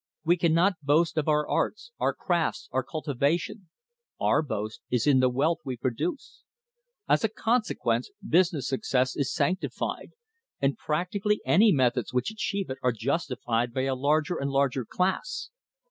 We cannot boast of our arts, our crafts, our cultivation; our boast is in the wealth we produce. As a consequence business success is sanctified, and, practi cally, any methods which achieve it are justified by a larger and larger class.